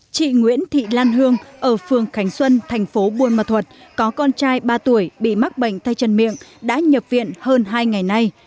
chị nguyễn thị lan hương ở phường khánh xuân thành phố buôn mà thuật có con trai ba tuổi bị mắc bệnh tay chân miệng đã nhập viện hơn hai ngày nay